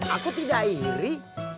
aku tidak ngiri